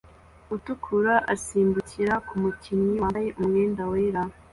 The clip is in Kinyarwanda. utukura asimbukira kumukinnyi wambaye umwenda wera